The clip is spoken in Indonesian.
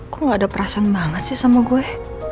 kok gak ada perasaan banget sih sama gue